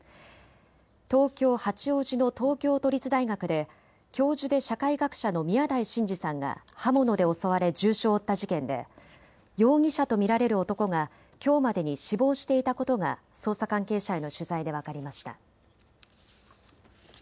東京八王子の東京都立大学で教授で社会学者の宮台真司さんが刃物で襲われ重傷を負った事件で容疑者と見られる男がきょうまでに死亡していたことが捜査関係者への取材で分かりました。